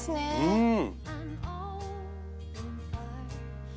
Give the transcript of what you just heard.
うん。